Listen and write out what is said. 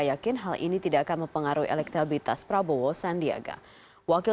yakin hal ini tidak akan mempengaruhi elektabilitas prabowo sandiaga wakil